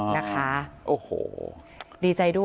เมื่อที่๔แล้ว